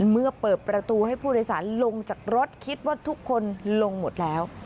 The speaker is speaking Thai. เมื่อเปิดประตูให้ผู้โดยสารลงจากรถคิดว่าทุกคนลงหมดแล้ว